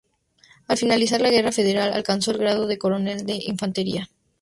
Al finalizar la Guerra Federal alcanza el grado de coronel de infantería.